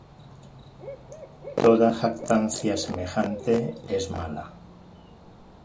Toda jactancia semejante es mala.